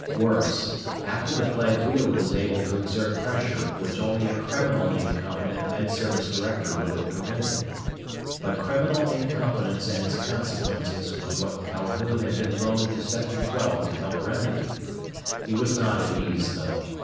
Worse, after the plague Weald was able to exert pressure which only a criminally incompetent Med Service director would have permitted. But criminal incompetence and its consequences was what Calhoun had been loaned to Sector Twelve to help remedy. He was not at ease, though.